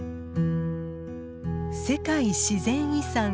世界自然遺産